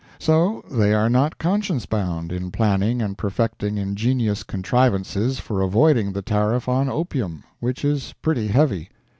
So they are not conscience bound in planning and perfecting ingenious contrivances for avoiding the tariff on opium, which is pretty heavy.